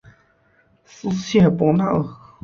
斯谢伯纳尔。